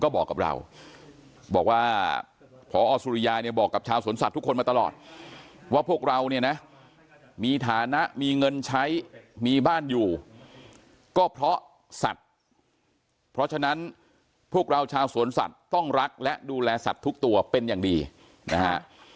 บอกกับเราบอกว่าพอสุริยาเนี่ยบอกกับชาวสวนสัตว์ทุกคนมาตลอดว่าพวกเราเนี่ยนะมีฐานะมีเงินใช้มีบ้านอยู่ก็เพราะสัตว์เพราะฉะนั้นพวกเราชาวสวนสัตว์ต้องรักและดูแลสัตว์ทุกตัวเป็นอย่างดีนะฮะ